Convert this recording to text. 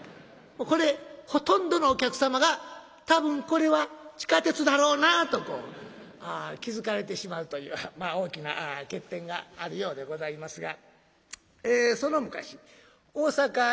これほとんどのお客様が多分これは地下鉄だろうなと気付かれてしまうという大きな欠点があるようでございますが。